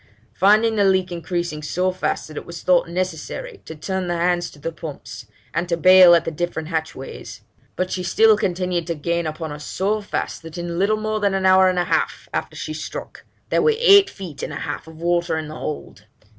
Finding the leak increasing so fast, it was thought necessary to turn the hands to the pumps, and to bail at the different hatchways; but she still continued to gain upon us so fast, that in little more than an hour and a half after she struck, there were eight feet and a half of water in the hold.